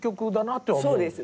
そうですね。